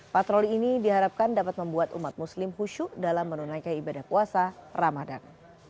patroli ini diharapkan dapat membuat umat muslim khusyuk dalam menunaikan ibadah puasa ramadan